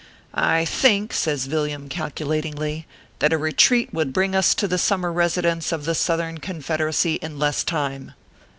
I think," says Yilliam, calculatingly, " that a retreat would bring us to the summer residence of the South ern Confederacy in less time."